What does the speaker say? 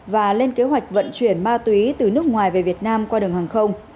và lên kế hoạch vận chuyển ma túy từ nước ngoài về việt nam qua đường hàng không